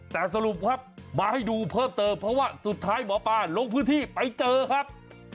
แต่สรุปครับมาให้ดูเพิ่มเติมเพราะว่าสุดท้ายหมอปลาลงพื้นที่ไปเจอครับ